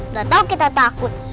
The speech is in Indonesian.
udah tahu kita takut